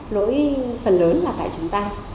lỗi phần lớn là tại chúng ta